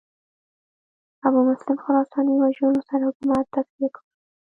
ابومسلم خراساني وژلو سره حکومت تصفیه کړ